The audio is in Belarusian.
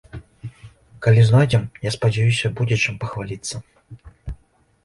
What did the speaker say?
Калі знойдзем, я спадзяюся, будзе чым пахваліцца.